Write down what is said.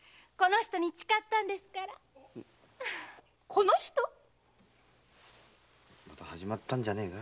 この人⁉また始まったんじゃねえの？